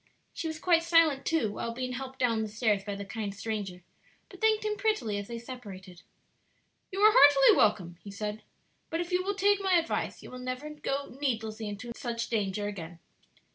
She was quite silent, too, while being helped down the stairs by the kind stranger, but thanked him prettily as they separated. "You are heartily welcome," he said; "but if you will take my advice you will never go needlessly into such danger again."